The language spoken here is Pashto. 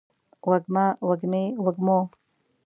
وږمه، وږمې ، وږمو